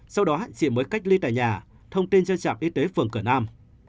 sau đó chị mới cách ly tại nhà thông tin cho trạm y tế phường cửa nam